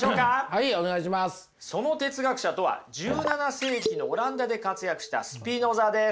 その哲学者とは１７世紀のオランダで活躍したスピノザです。